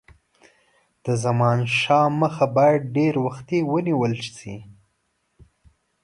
د زمانشاه مخه باید ډېر وختي ونیوله شي.